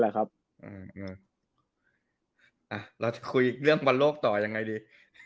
อ่าเราจะคุยเรื่องประโยคต่อยังไงดี